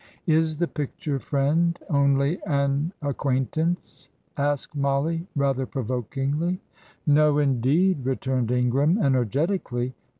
'" "Is the picture friend only an acquaintance?" asked Mollie, rather provokingly. "No, indeed," returned Ingram, energetically.